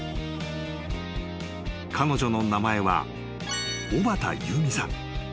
［彼女の名前は小畑有海さん］